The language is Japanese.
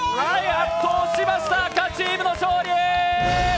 圧倒しました、赤チームの勝利！